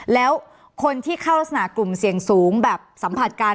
แล้วคนที่เข้ารักษณะกลุ่มเสี่ยงสูงแบบสัมผัสกัน